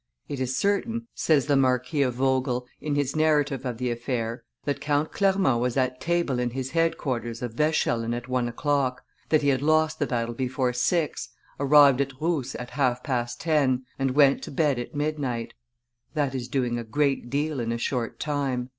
"It is certain," says the Marquis of Vogel, in his narrative of the affair, "that Count Clermont was at table in his headquarters of Weschelen at one o'clock, that he had lost the battle before six, arrived at Reuss at half past ten, and went to bed at midnight; that is doing a great deal in a short time."